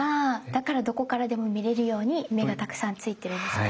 だからどこからでも見れるように目がたくさんついてるんですか。